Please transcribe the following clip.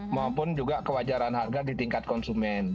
maupun juga kewajaran harga di tingkat konsumen